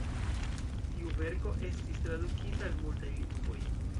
Tiu verko estis tradukita al multaj lingvoj.